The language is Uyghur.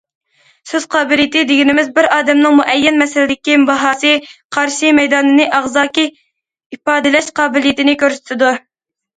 سۆز قابىلىيىتى دېگىنىمىز، بىر ئادەمنىڭ مۇئەييەن مەسىلىدىكى باھاسى، قارىشى، مەيدانىنى ئاغزاكى ئىپادىلەش قابىلىيىتىنى كۆرسىتىدۇ.